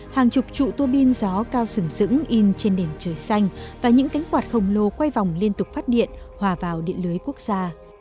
hàng chục trụ tuô bin gió cao sửng sững in trên đèn trời xanh và những cánh quạt khổng lồ quay vòng liên tục phát điện hòa vào điện lưới quốc gia